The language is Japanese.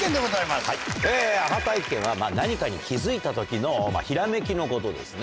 アハ体験は何かに気付いた時のひらめきのことですね。